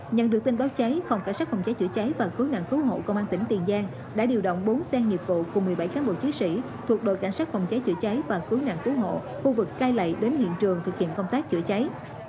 nhận được tin báo cháy phòng cảnh sát phòng cháy chữa cháy và cứu nạn cứu hộ công an tỉnh tiền giang đã điều động bốn xe nghiệp vụ cùng một mươi bảy cán bộ chiến sĩ thuộc đội cảnh sát phòng cháy chữa cháy và cứu nạn cứu hộ khu vực cai lệ đến hiện trường thực hiện công tác chữa cháy